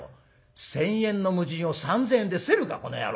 １，０００円の無尽を３，０００円で競るかこの野郎。